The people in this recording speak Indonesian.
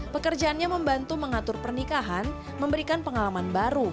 pekerjaannya membantu mengatur pernikahan memberikan pengalaman baru